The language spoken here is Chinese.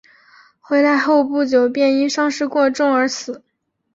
回来后不久便因伤势过重而死。